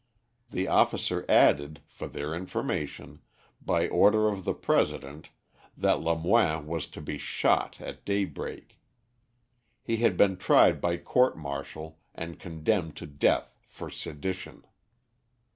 The officer added, for their information, by order of the President, that Lemoine was to be shot at daybreak. He had been tried by court martial and condemned to death for sedition.